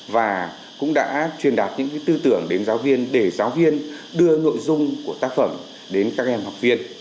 và những tư tưởng đến giáo viên để giáo viên đưa nội dung của tác phẩm đến các em học viên